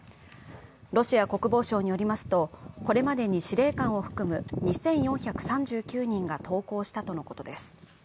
ロシア国防省によりますとこれまでに司令官を含む２４３９人が投降したとのことです。